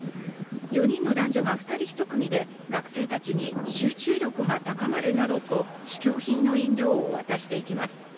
４人の男女が２人１組で学生たちに、集中力が高まるなどと、試供品の飲料を渡していきます。